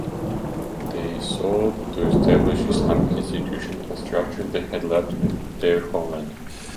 They sought to establish Islamic institutions and structures they had left in their homeland.